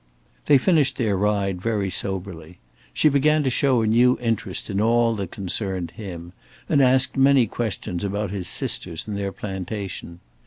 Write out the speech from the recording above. They finished their ride very soberly. She began to show a new interest in all that concerned him, and asked many questions about his sisters and their plantation.